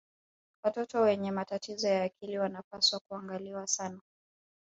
watoto wenye matatizo ya akili wanapaswa kuangaliwa sana